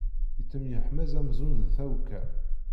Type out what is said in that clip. Yettemyeḥmaẓ amzun d tawekka.